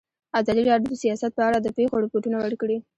ازادي راډیو د سیاست په اړه د پېښو رپوټونه ورکړي.